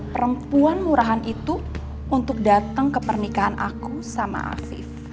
perempuan murahan itu untuk datang ke pernikahan aku sama afif